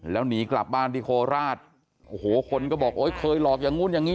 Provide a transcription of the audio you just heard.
แล้วหนีกลับบ้านที่โคราชโอ้โหคนก็บอกโอ๊ยเคยหลอกอย่างนู้นอย่างนี้